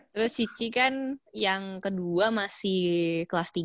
terus cici kan yang kedua masih kelas tiga